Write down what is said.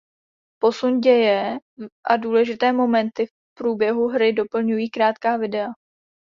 Posun děje a důležité momenty v příběhu hry doplňují krátká videa.